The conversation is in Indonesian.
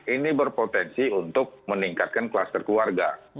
ini berpotensi untuk meningkatkan kluster keluarga